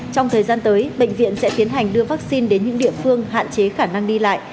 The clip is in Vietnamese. trong thời gian tới bệnh viện sẽ tiến hành đưa vaccine đến những địa phương hạn chế khả năng đi lại